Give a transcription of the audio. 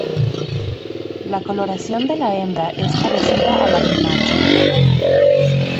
La coloración de la hembra es parecida a la del macho.